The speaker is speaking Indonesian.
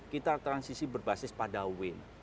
kita transisi berbasis pada win